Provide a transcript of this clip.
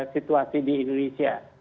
situasi di indonesia